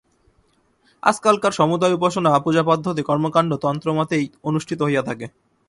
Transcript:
আজকালকার সমুদয় উপাসনা পূজাপদ্ধতি কর্মকাণ্ড তন্ত্রমতেই অনুষ্ঠিত হইয়া থাকে।